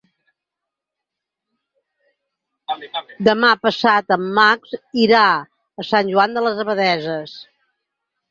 Demà passat en Max irà a Sant Joan de les Abadesses.